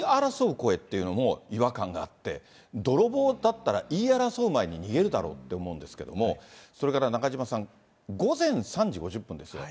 声っていうのも、違和感があって、泥棒だったら言い争う前に逃げるだろうって思うんですけども、それから、中島さん、午前３時５０分ですよ。